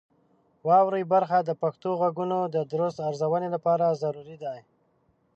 واورئ برخه د پښتو غږونو د درست ارزونې لپاره ضروري ده.